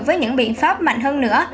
với những biện pháp mạnh hơn nữa